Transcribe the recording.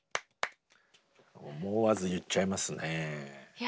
思わず言っちゃいますね。